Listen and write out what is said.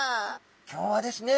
今日はですね